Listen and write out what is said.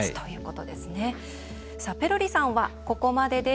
ペロリさんはここまでです。